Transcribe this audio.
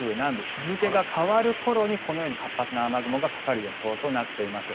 日付が変わる頃に、このように活発な雨雲がかかる予想となっています。